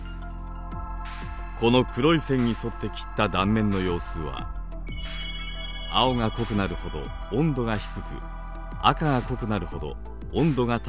この黒い線に沿って切った断面の様子は青が濃くなるほど温度が低く赤が濃くなるほど温度が高いところです。